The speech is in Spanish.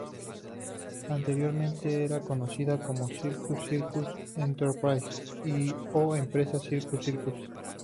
Anteriormente era conocida como Circus Circus Enterprises o "Empresas Circus Circus".